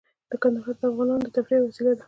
کندهار د افغانانو د تفریح یوه وسیله ده.